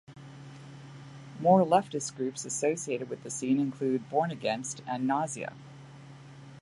More leftist groups associated with the scene include Born Against and Nausea.